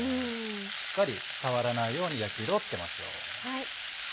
しっかり触らないように焼き色をつけましょう。